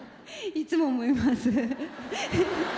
いつも思います。